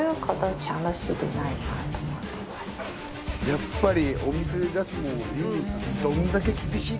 やっぱり。